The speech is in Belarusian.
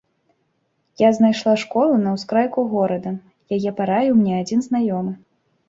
Я знайшла школу на ўскрайку горада, яе параіў мне адзін знаёмы.